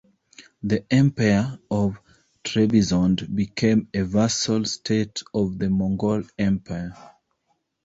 The Empire of Trebizond became a vassal state of the Mongol empire.